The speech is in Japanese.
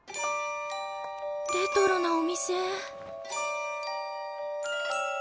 レトロなお店。